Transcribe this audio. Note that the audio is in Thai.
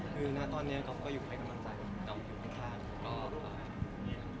แต่ตอนนี้น้องเคลียร์ก็อยู่ตรงตรงคือณตอนเนี้ยก๊อฟก็อยู่ใครกำลังใจ